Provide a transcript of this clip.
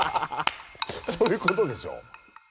そういうことでしょ。